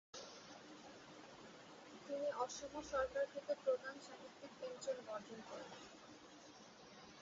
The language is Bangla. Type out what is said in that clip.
তিনি অসম সরকারকৃত প্রদান সাহিত্যিক পেঞ্চন বর্জন করেন।